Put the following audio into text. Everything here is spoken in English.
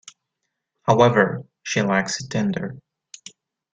However, she lacks a tender.